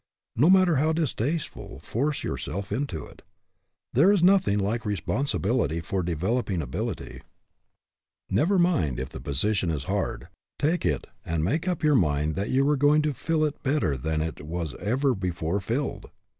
No matter how distaste ful force yourself into it. There is noth ing like responsibility for developing ability. Never mind if the position is hard ; take it and RESPONSIBILITY DEVELOPS 101 make up your mind that you are going to fill it better than it was ever before filled.